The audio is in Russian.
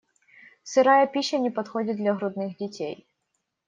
Сырая пища не подходит для грудных детей.